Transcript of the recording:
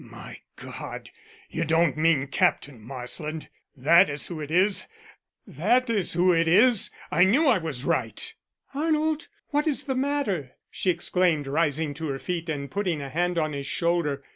"My God, you don't mean Captain Marsland? That is who it is; that is who it is! I knew I was right." "Arnold, what is the matter?" she exclaimed, rising to her feet and putting a hand on his shoulder.